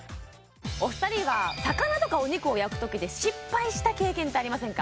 お二人は魚とかお肉を焼くときで失敗した経験ってありませんか？